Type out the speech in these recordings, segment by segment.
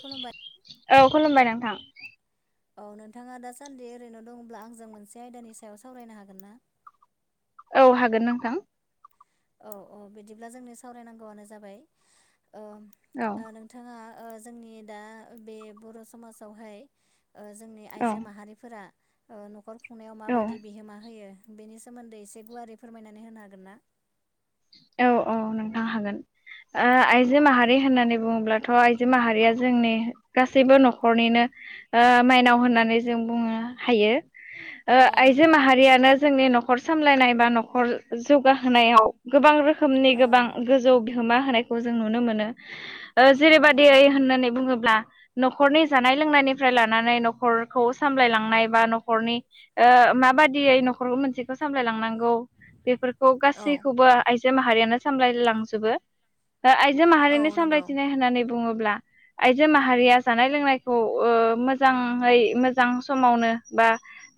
खुलुमबाय औ खुलुमबाय नोंथां औ नोंथाङा दा सान्दि ओरैनो दङब्ला आंजों मोनसे आयदानि सायाव सावरायनो हागोन ना औ हागोन नोंथां औ औ बिदिब्ला जोंनो सावरायनांगौआनो जाबाय औ नोंथाङा जोंनि दा बे बर' समाजावहाय जोंनि औ आइजो माहारिफोरा न'खर खुंनायाव औ माबायदि बिहोमा होयो। बेनि सोमोन्दै एसे गुवारै फोरमायनानै होनो हागोन ना औ औ नोंथां हागोन औ आइजो माहारि होननानै बुङोब्ला ब्लाथ' आइजो माहारिया जोंनि गासैबो न'खरनिनो माइनाव होननानै जों बुं नोहायो औ आइजो नंगौ माहारियानो जोंनि न'खर सामलायनाय बा न'खर जौगाहोनायाव। गोबां रोखोमनि गोबां औ गोजौ बिहोमा होनायखौ जों नुनो मोनो। ओ औ जेरैबायदि नंगौ होननानै बुङोब्ला। न'खरनि जानाय लोंनायनिफ्राय लानानै न'खरखौ सामलायलांनाय बा न'खरनि ओ माबादियै न'खरखौ मोनसेखौ सामलायलांनांगौ बेफोरखौ औ गासै आइजो माहारियानो सामलायलांजोबो आइजो औ माहारिनि नंगौ सामलायथिनाय होननानै बुङोब्ला आइजो माहारिया जानाय लोंनायखौ ओ मोजाङै मोजां समावनो बा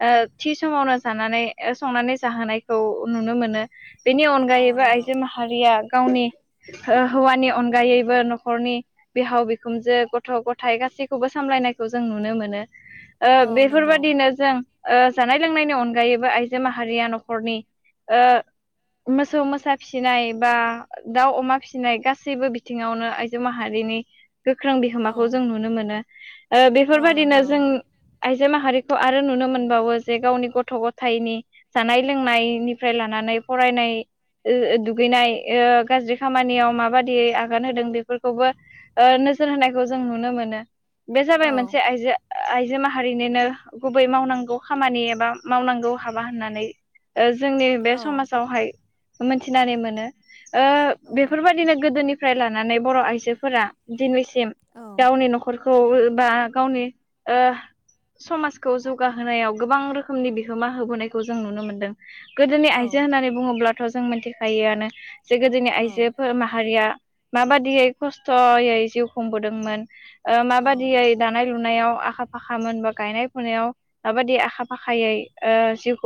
ओथि समावनो जानानै संनानै जाहोनायखौ नुनो मोनो। बेनि औ अनगायैबो नंगौ आइजो माहारिया। गावनि ओ हौवानि अनगायैबो न'खरनि बिहाव बिखुमजो गथ' गथाय गासैबो गासैखौबो सामलायनायखौ जों नुनो मोनो ओ औ नंगौ बेफोरबायदिनो जों ओ जानाय लोंनायनि अनगायैबो आइजो माहारिया न'खरनि ओ मोसौ मोसा फिसिनाय बा दाउ अमा फिसिनाय गासैबो बिथिङावनो आइजो माहारि नि गोख्रों औ बिहोमाखौ जों नुनो मोनो ओ औ बेफोरबायदिनो नंगौ जों आइजो माहारिखौ आरो नुनो मोनबावो जे गावनि गथ' गथायनि जानाय लोंनायनिफ्राय लानानै फरायनाय ओ दुगैनाय ओ गाज्रि खामानियाव माबायदियै आगान होदों बेफोरखौबो ओ नोजोर होनायखौ जों नुनो मोनो। बे जाबाय औ मोनसे आइजो आइ जो माहारिनिनो गुबै मावनांगौ खामानि एबा मावनांगौ हाबा होननानै ओ जोंनि बे औ समाजावहाय मोनथिनानै मोनो ओ औ बेफोरबायदिनो गोदोनि फ्राय लानानै बर' आइजोफोरा दिनैसिम औ गावनि न'खरखौ बा गावनि ओ समाजखौ जौगाहोनायाव गोबां रोखोमनि बिहोमा होबोनायखौ जों नुनो मोनदों। गोदोनि औ आइजो होननानै बुङोब्लाथ' जों मिनथिखायोआनो जे गोदोनि आइजोफोर माहारिया माबादियै खस्थ'यै जिउ खुंबोदोंमोन। औ माबादियै दानाय लु नायाव आखा फाखामोन बा गायनाय फुनायाव माबायदि आखा फाखायै ओ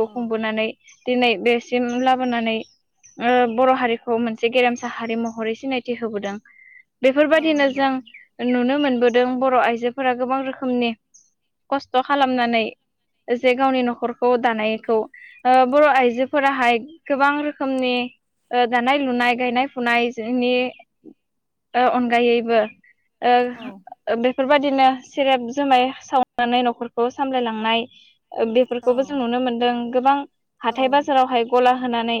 औ खुंबोनानै दिनै बेसिम लाबोनानै ओ बर' हारिखौ मोनसे गेरेमसा हारि महरै सिनायथि होबोदों। औ बेफोरबादिनो जों नंगौ। नुनो मोनबोदों बर' आइजोफोरा गोबां रोखोमनि खस्थ' खालामनानै जे गावनि न'खरखौ दानायखौ ओ बर' आइजो फोराहाय गोबां रोखोमनि ओ दानाय लुनाय गायनाय फुनायनि ओ अनगायैबो ओ औ ओबे बेफोरबायदिनो सेरेब जुमाय सावनानै न'खरखौ सामलायलांनाय औ ओबेफोरखौबो जों नुनो मोनदों गोबां औ हाय गला होनानै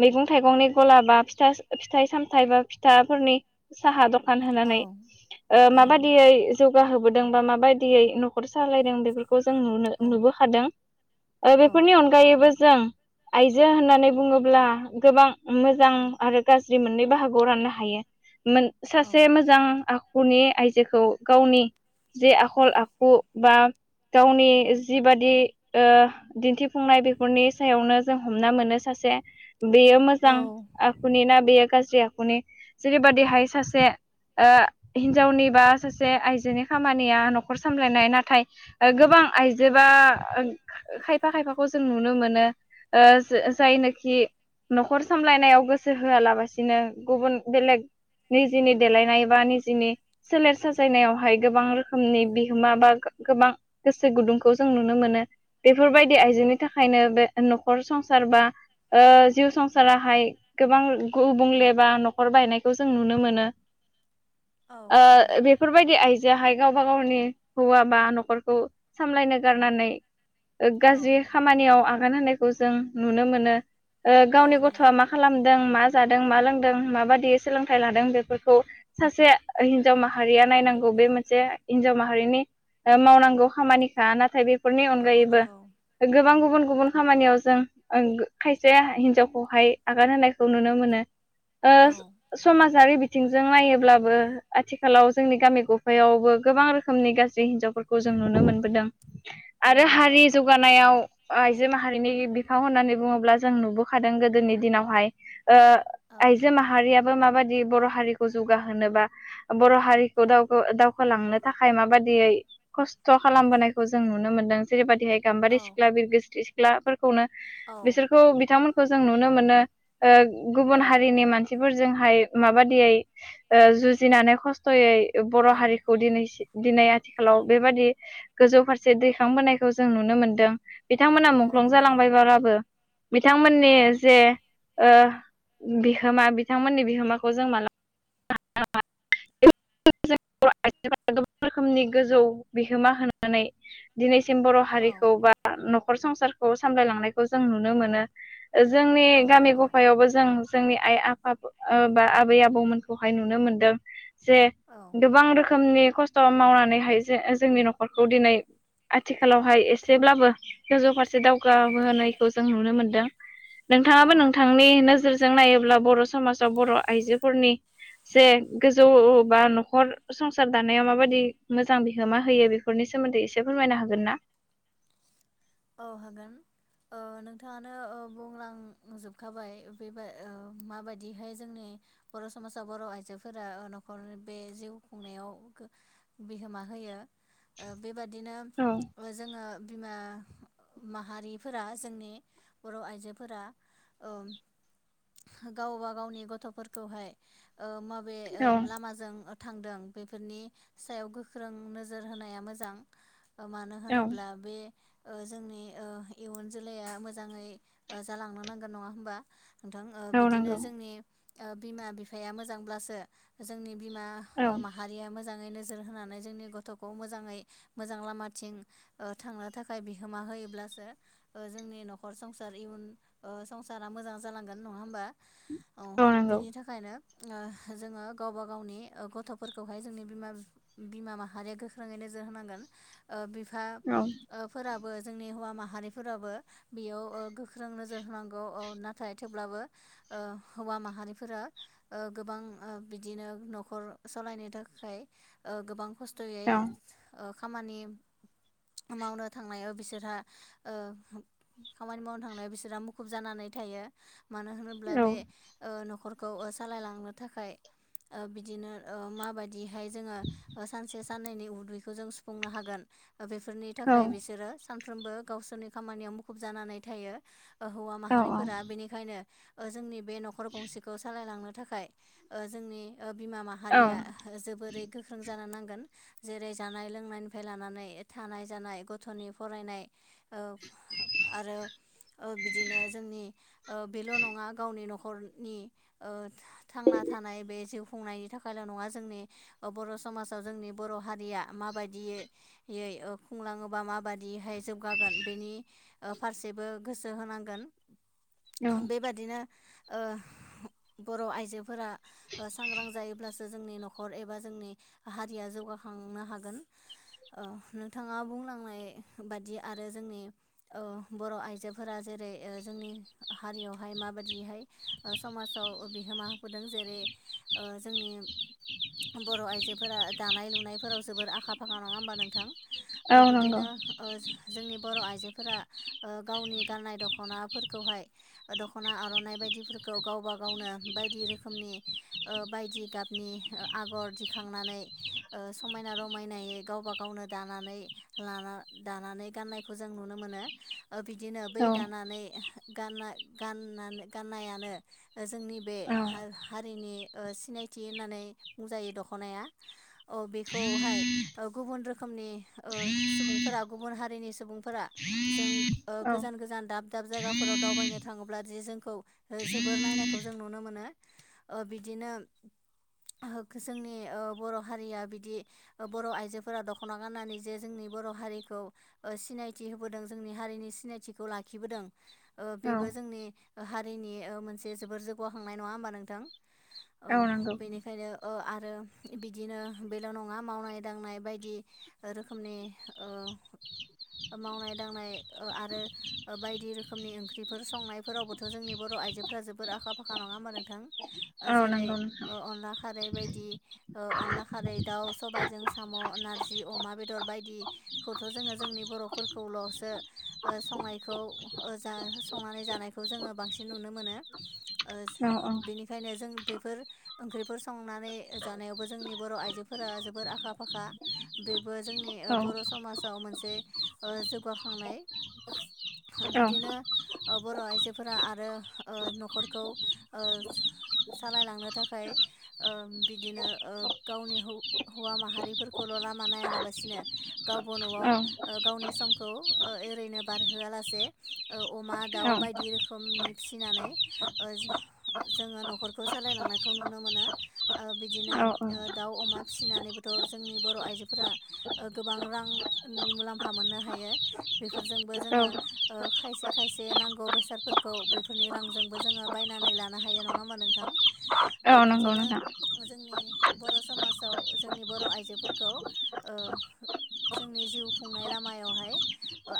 मैगं थाइगंनि गला बा फिथा फिथाइ सामथाइ बा फिथाफोरनि साहा दखान औ होनानै औ माबादियै जौ गाहोबोदों बा माबायदियै न'खर सालायदों बेफोर खौ जों नुनो औ नुबो हादों बेफोरनि अनगायैबो जों आइजो होननानै बुङोब्ला गोबां मोजां आरो गाज्रि मोननै बाहागोआव राननो हायो मोन सासे औ मोजां आखुनि आइजोखौ गावनि जे आखल आखु बा गावनि जिबादि ओ दिन्थिफुंनाय बेफोरनि सायावनो जों हमना मोनो सासे बेयो मोजां आखुनि ना बेयो गाज्रि आखु जेरैबादिहाय सासे हिनजावनि बा सासे आइजोनि खामानिया न'खर सामलायनाय नाथाय गोबां आइजोबा खायफा खायफाखौ जों नुनो मोनो ओ जाय जायनाखि न'खर सामलायनायाव गोसो होआलाबसिनो गुबुन बेलेग निजिनि देलायनाय बा निजिनि सोलेर साजायनायावहाय गोबां रोखोमनि बिहोमा बा गोबां गोसो गुदुंखौ जों नुनो मोनो बेफोरबायदि आइजोनि थाखायनो बेख हर संसार बा जिउ संसाराहाय गोबां गुब गुबुंलेबा न'खर बायनायखौ जों नुनो मोनो औ नंगौ बेफोरबायदि आइजोआहाय गावबा गावनि हौवा बा न'खरखौ सामलायनो गारनानै गाज्रि औ खामानियाव आगान होनायखौ जों नुनो मोनो गावनि औ गथ'आ नंगौ मा खालामदों मा जादों मा लोंदों माबादि सोलोंथाइ लादों बेफोरखौ सासे हिनजाव माहारिया नायनांगौ बे मोनसे हिनजाव माहारिनि मावनांगौ खामानिखा नाथाय बेफोरनि नि औ अनगायैबो नंगौ गोबां गुब गुब खामानियाव जों खायसे हिनजावखौहाय आगान होनायखौ नुनो मोनो आ औ समाजारि बिथिंजों नायोब्लाबो आथिखालाव जोंनि गामि गफायावबो गोबां रोखोमनि गाज्रि हिनजावफोरखौ जों नुनो मोनबोदों औ आरो नंगौ हारि जौगानायाव आइजो माहारिनि बिफां होननानै बुङोब्ला जों नुबोखादों गोदोनि दिनावहाय ओ औ आइजो माहारिया माबादि बर' हारिखौ जौगाहोबा बर' हारिखौ दावखोलांनो थाखाय माबाद यै खस्थ' खालामबोनायखौ जों नुनो मोनदों जेरैबायदि औ गाम्बारि सिख्ला बिरगोस्रि सिख्लाफोरखौनो औ बिसोरखौ बिथांमोनखौ जों नुनो मोनो ओ गुबुन औ हारिनि मानसि फोरजोंहाय माबादियै ओ जुजिनानै खस्थ'यै बर' औ हारिखौ दिनै दिनै आथिखालाव बेबादि गोजौ फारसे दैखांबोनायखौ जों नुनो मोनदों बिथांमोना औ मुंख्लं नंगौ जालांबायबाबो बिथांमोननि औ जे बिहोमा बिथांमोननि बिहोमाखौ जों मालाबा [unintelligible] रोखोमनि गोजौ बिहोमा होनानै दिनै बर' औ हारिखौ बा न'खर संसारखौ सामलायलांनायखौ जों नुनो मोनो। जोंनि औ गामि नंगौ गफायावबो जों जोंनि आइ आफा बा आबै आबौमोनखौहाय नुनो मोनदों। जे औ गोबां रोखोमनि खस्थ' मावनानैहाय जे जोंनि न'खरखौ दिनै आथिखालावहाय एसेब्लाबो गोजौ फारसे औ दावगाबोनायखौ जों नुनो मोनदों नोंथाङाबो औ नोंथांनि नोजोर जों नायोब्ला बर' समासाव बर' आइजोफोरनि से गोजौ उ बा न'खर संसार दानायाव माबायदि मोजां बिहोमा होयो बेफोरनि सोमोन्दै एसे फोरमायनो हागोन ना? औ हागोन। ओ नोंथाङानो ओ बुंलांजोबखाबाय बेबाय ओ माबायदिहाय जोंनि बर' समासा बर' आइजोफोरा न'खरनि बे जिउ खुंनायाव बिहोमा होयो ओ बेबादिनो औ जोङो बिमा माहारिफोरा जोंनि बर' आइजोफोरा अ गावबा गावनि गथ'फोरखौहाय ओ माबे औ लामाजों थांदों बेफोरनि सायाव गोख्रों नोजोर होनाया मोजां मानो औ होनोब्ला बे ओ जोंनि ओ इयुन जोलैया मोजाङै जालांनो नांगोन नङा होमबा? नोंथां ओ औ बिदिनो नंगौ जोंनि ओ बिमा बिफाया मोजांब्लासो जोंनि बिमा औ ओ माहारिया मोजाङैनो जोर होनानै जोंनि गथ'खौ मोजाङै मोजां लामाथिं ओ थांनो थाख फाय बिहोमा होयोब्लासो ओ जोंनि नखर संसार इयुन ओ संसारा मोजां जालांगोन नङा होमबा? औ बिनि थाखायनो जोङो गावबा गावनि गथ'फोरखौहाय जोंनि बिमाम बिमा माहारिया गोख्रोङैनो जाहोनांगोन ओ बिफ औ। फोराबो जोंनि हौवा माहारिफोराबो बेयाव अ गोख्रों नोजोर होनांगौ अ नाथाय थेवब्ला बो ओ हौवा माहारिफोरा ओ गोबां ओ बिदिनो न'खर सलायनिथ बाखाय ओ गोबां खस्थ'यै औ ओ खामानि मावनो थांनायाव बिसोरहा ओ खामानि मावनो थांनायाव बिसोरहा मुखुब जानानै थायो मानो होनोब्ला बे ओ न'खरखौ सालायलांनो थाखाय आ बिदिनो ओ माबायदिहाय जोङो सानसे साननैनि उदैखौ जों सुफुंनो हागोन बेफोरनि औ थाखाय बिसोरो सानफ्रोमबो गावसोरनि खामानियाव मुखुब जानानै थायो हौवा औ माहारिफोरा बेनिखायनो जोंनि बे न'खर गंसेखौ सालायलांनो थाखाय ओ जोंनि ओ बिमा माहारिया जोबोरै गोख्रों जानो नां गोन जेरै जानाय लोंनायफाय लानानै थानाय जानाय गथ'नि फरायनाय ओ आरो ओ बिदिनो जोंनि ओ बेल' नङा गावनि न'खरनि ओ था-थांना नाथानाय बे जिउ खुंनायनि थाखायल' नङा जोंनि बर' समाजाव जोंनि बर' हारिया मा बायदि इए इएअप खुंलाङोबा माबादिहाय जोबगागोन बेनि फारसेबो गोसो होनांगोन बेबादिनो ओ बर' आइजोफोरा सांग्रां जायोब्लासो जोंनि न'खर एबा जोंनि हारिया जौ बोहांनो हागोन ओ थाङा बुंलांनाय बादि आरो जोंनि अ बर' आइजोफोरा जेरै ओ जोंनि हारियावहाय माबाददिहाय समाजाव बिहोमा होबोदों जेरै ओ जो निम बर' आइजोफोरा दानाय लुनायफोराव जोबोर आखा फाखा नङा होमबा नोंथां? ओ औ नंगौ बिदिनो ओस जोंनि बर' आइजोफोरा ओ गावनि गाननाय दख'नाफोरखौहाय दख'ना आर'नाइ बाय बिदिफोरखौ गावबा गावनो बायदि रोखोमनि ओ बायदि गाबनि आगर दिखां नानै ओ समायना रमायनायै गावब गावनो दानानै लाना दानानै गाननायखौ जों नुनो मोनो। ओ बिदिनो बै औ दानानै गानना गाननानै गाननायानो जोंनि बे हार-हारिनि ओ सिनायथि होननानै बुंजायो दख'नाया। औ बेखौहाय गुबुन रो खोमनि ओ सुबुंफोरा गुबुन हारिनि सुबुंफोरा जों ओ औ गोजान गोजान दाब दाब दाब जायगााव दावबायनो थाङोब्ला जि जोंखौ जोबोर नायखौ जों नुनो मोनो ओ बिदिनो जोंनि बर' हारिया बिदि बर' आइजोफोरा द दखना गाननानै जे जोंनि बर' हारिखौ सिनायथि होबोदों जोंनि हारिनि सिनायथिखौ लाखिबोदों। बेबो जोंनि हारिनि मोनसे जोबोर जौगाखांनाय नङा होमबा नोंथां? औ बेनिखायनो आरो बिदिनो बेल' नङा मावनाय दांनाय बायदि रोखोमनि ओ मावनाय दांनाय आरो बायदि रोखोमनि ओंख्रिफोर संनायफोरावबोथ' जोंनि बर' आइफोरा जोबोर आखा फाखा नङा होनबा नोंथां औ जेरै नंगौ नोंथां अनला खारै बाय अनला खारै दाउ सबायजों साम' नारजि जि अमा बेदर बायदिखौथ' जोङो जोंनि बर'फोरखौल'सो संनायखौ जा संनानै जानायखौ जोङो बांसिन नुनो मोनो औ बेनिखायनो जों बेफोर ओंख्रिफोर संनानै जानायावबो जोंनि बर' आइजोफोरा जोबोर आखा फाखा। बेबो जोंनि औ बर' समाजाव मोनसे जौगाखांनाय औ बिदिनो ओ बर' आइजोफोरा आरो ओ न'खरखौ ओ सालायलांनो थाखाय ओ बिदिनो गावनि हौवा माहारिफोरखौल' लामा नायालाबासिनो गावबो औ न'आव गावनि समखौ ओरैनो बारहोआलासे अमा, दाउ बायदि रोखोमनि फिसिनानै जोङो न'खरखौ सालायलांनायखौ नुनो मोनो बिदिनो दाउ, अमा फिसिनानैबोथ' जोंनि बर' आइजो फोरा गोबां रांनि मुलाम्फा मोननो हायो बेफोरजोंबो औ जोङो ओ खायसे खायसे नांगौ बेसादफोरखौ बेफोरनि रांजोंबो जोङो बायनानै लानो हायो नङा होमबा नोंथां? ओ औ नंगौ बिदिनो नोंथां जोंनि बर' समाजाव जोंनि बर' आइजोफोरखौ ओ जोंनि जिउ खुंनाय लामायावहाय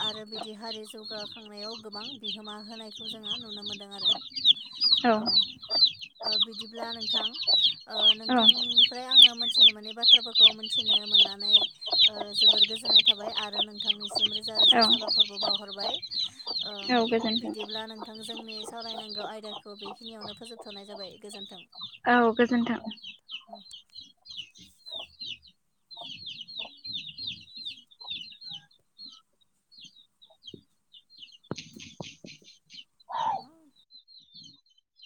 आरो बिदि हारि जौगाखांनायाव गोबां बिहोमा होनायखौ जोङो नुनो मोनदों आरो औ ओ बिदिब्ला नोंथां ओ औ नोंथांनिफ्राय आङो मोनथिनो मोननाय बाथ्राफोरखौ मोनथिनो मोन नानै जोबोर ओ गोजोननाय थाबाय आरो नोंथांनिसिम रोजा औ रोजा साबायखरबो बावहरबाय। ओ औ गोजोन्थों बिदिब्ला नोंथां जोंनि सावरायनांगौ आयदाखौ बेखिनियावनो फोजोबथ'नाय जाबाय गोजोनथों। औ गोजोनथों। [inaudible] [unintelligible]